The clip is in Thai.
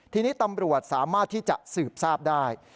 ทีนี้ตำรวจสามารถที่จะสืบทราบได้